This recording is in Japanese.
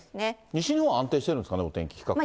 西日本は安定してるんですかね、お天気、比較的。